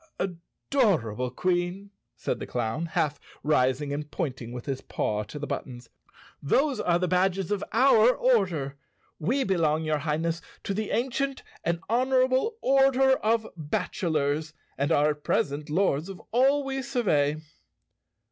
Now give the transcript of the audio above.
"Adorable Queen," said the clown, half rising and pointing with his paw to the buttons, "those are the badges of our order. We belong, your Highness, to the ancient and honorable Order of Bachelors, and are at present lords of all we survey."